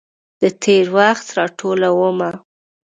د تیروخت راټولومه